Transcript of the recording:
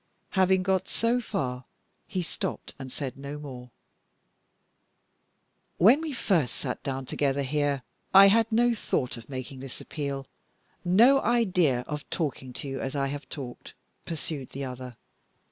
Having got so far, he stopped and said no more. "When we first sat down together here, I had no thought of making this appeal, no idea of talking to you as I have talked," pursued the other.